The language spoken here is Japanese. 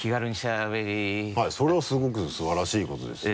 はいそれはすごく素晴らしいことです。